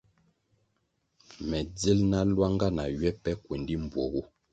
Me dzil na luanga na ywe pe kuendi mbpuogu.